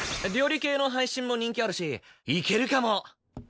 料理系の配信も人気あるしいけるかも！